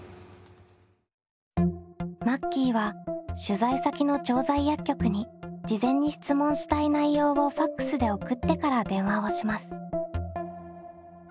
マッキーは取材先の調剤薬局に事前に質問したい内容をＦＡＸで送ってから電話をします。